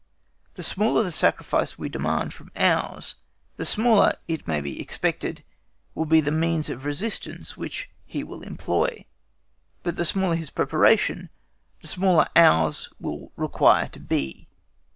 The smaller the sacrifice we demand from ours, the smaller, it may be expected, will be the means of resistance which he will employ; but the smaller his preparation, the smaller will ours require to be.